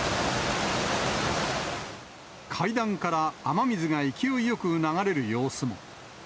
階段から雨水が勢いよく流れる様子も。